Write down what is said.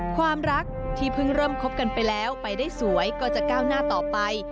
ความรักที่เพิ่งเริ่มคบกันไปแล้วไปได้สวยก็จะก้าวหน้าต่อไป